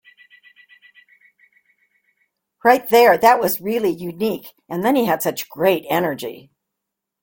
Right there, that was really unique - and then he had such great energy.